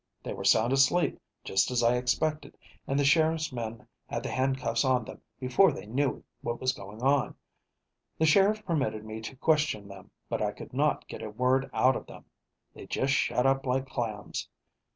"They were sound asleep, just as I expected, and the sheriff's men had the handcuffs on them before they knew what was going on. The sheriff permitted me to question them, but I could not get a word out of them. They just shut up like clams.